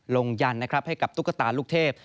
ลงยันให้กับตุ๊กตาลูกเทพฯ